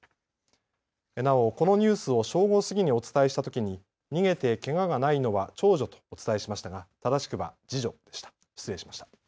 なお、このニュースを正午過ぎにお伝えしたときに逃げてけががないのは長女とお伝えしましたが正しくは次女でした。